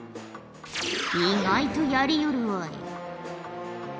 意外とやりよるわい。